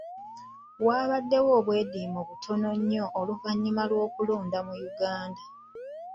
Wabaddewo obweddiimo butono nnyo oluvannyuma lw'okulonda mu Uganda.